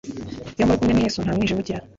Iyo muri kumwe na yesu ntamwijima ugira